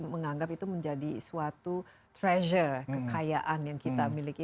menganggap itu menjadi suatu pressure kekayaan yang kita miliki